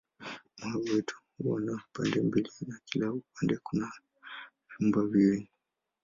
Moyo wetu huwa na pande mbili na kila upande kuna vyumba viwili.